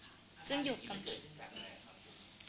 อ๋อนะอันนี้มันเกิดขึ้นจากอะไรหนะค่ะ